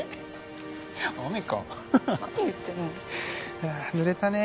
いやあぬれたね。